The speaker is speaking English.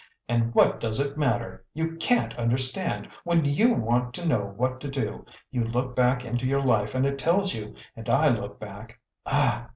"And what does it matter? You CAN'T understand. When YOU want to know what to do, you look back into your life and it tells you; and I look back AH!"